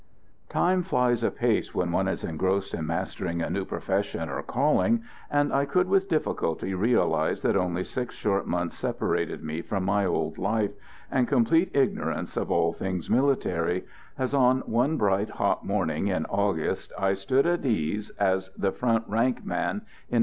Time flies apace when one is engrossed in mastering a new profession or calling, and I could with difficulty realise that only six short months separated me from my old life and complete ignorance of all things military, as, on one bright, hot morning in August, I stood at ease as the front rank man in No.